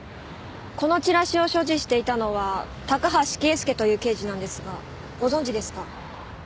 このチラシを所持していたのは高橋啓介という刑事なんですがご存じですか？